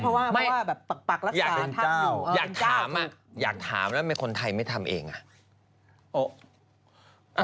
เพราะว่าไม่ว่าแบบปักรักษาอยากถามอ่ะอยากถามแล้วทำไมคนไทยไม่ทำเองอ่ะ